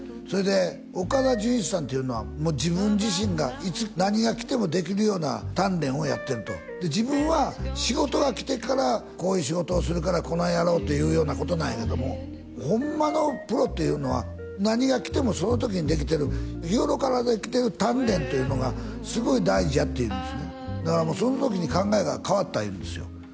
それで岡田准一さんっていうのはもう自分自身がいつ何が来てもできるような鍛錬をやってると自分は仕事が来てからこういう仕事をするからこないやろうっていうようなことなんやけどもホンマのプロっていうのは何が来てもその時にできてる日頃からできてる鍛錬というのがすごい大事やって言うんですねだからもうその時に考えが変わった言うんですよ